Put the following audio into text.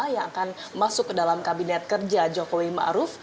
yang akan masuk ke dalam kabinet kerja jokowi maruf